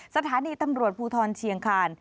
สถานีตำรวจภูทรเชียงคาน